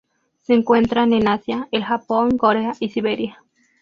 Se encuentran en Asia: el Japón, Corea y Siberia.